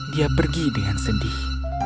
dia pergi dengan sedih